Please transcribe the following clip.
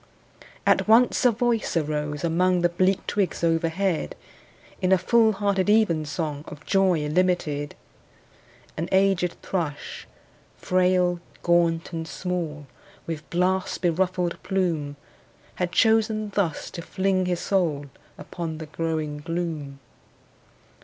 At once a voice arose among The bleak twigs overhead, In a full hearted evensong Of joy illimited. An aged thrush, frail, gaunt and small, With blast beruffled plume, Had chosen thus to fling his soul Upon the growing gloom.